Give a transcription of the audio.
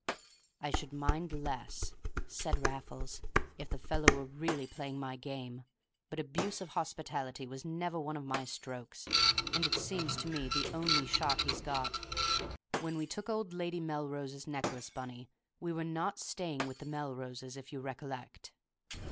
"I should mind less," said Raffles, "if the fellow were really playing my game. But abuse of hospitality was never one of my strokes, and it seems to me the only shot he's got. When we took old Lady Melrose's necklace, Bunny, we were not staying with the Melroses, if you recollect."